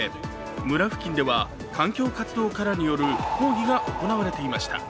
村付近では環境活動家らによる抗議が行われていました。